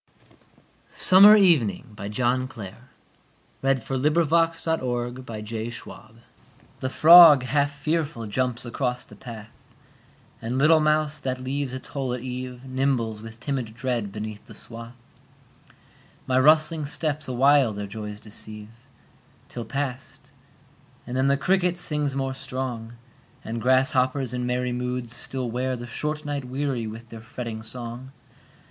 towers, In every place the very wasp of flowers. Summer Evening The frog half fearful jumps across the path, And little mouse that leaves its hole at eve Nimbles with timid dread beneath the swath; My rustling steps awhile their joys deceive, Till past, and then the cricket sings more strong, And grasshoppers in merry moods still wear The short night weary with their fretting song.